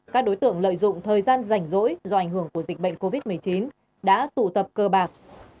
các đối tượng lợi dụng thời gian rảnh rỗi do ảnh hưởng của dịch bệnh covid một mươi chín đã tụ tập cơ bạc